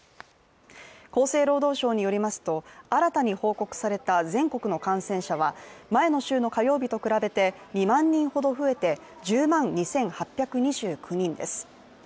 厚生労働省によりますと新たに報告された全国の感染者は前の週の火曜日と比べて２万人ほど増えて、１０万２８２９人です。